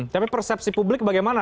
tapi persepsi publik bagian mana